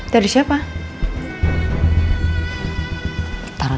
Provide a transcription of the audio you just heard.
jadi bukan peluru